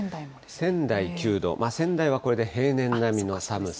仙台９度、仙台はこれで平年並みの寒さ。